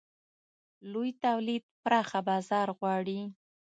لوی تولید پراخه بازار غواړي.